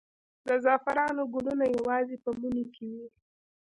د زعفرانو ګلونه یوازې په مني کې وي؟